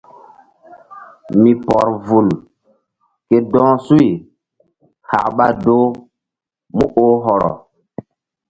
Mi pɔr vul ke dɔh suy hak ɓa doh mu oh hɔrɔ.